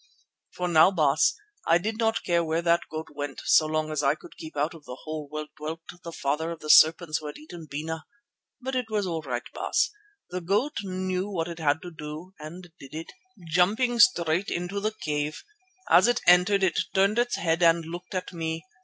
"For now, Baas, I did not care where that goat went so long as I could keep out of the hole where dwelt the Father of Serpents that had eaten Bena. But it was all right, Baas; the goat knew what it had to do and did it, jumping straight into the cave. As it entered it turned its head and looked at me.